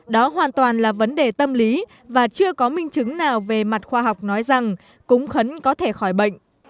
đó hoàn toàn là vấn đề tâm lý và chưa có minh chứng nào về mặt khoa học nói rằng cúng khấn có thể khỏi bệnh